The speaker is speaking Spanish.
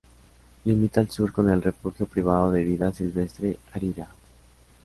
Limita al sur con el refugio privado de vida silvestre Arirá-í.